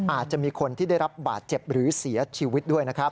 อาจจะมีคนที่ได้รับบาดเจ็บหรือเสียชีวิตด้วยนะครับ